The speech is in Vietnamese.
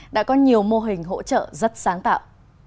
đã có nhiều mô hình hỗ trợ rất sáng tạo